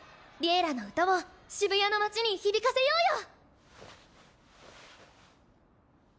「Ｌｉｅｌｌａ！」の歌を渋谷の街に響かせようよ！